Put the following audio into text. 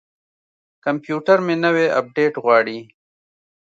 کمپیوټر مې نوی اپډیټ غواړي.